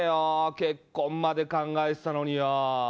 結婚まで考えてたのによ。